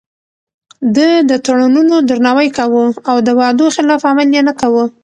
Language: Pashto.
ده د تړونونو درناوی کاوه او د وعدو خلاف عمل يې نه کاوه.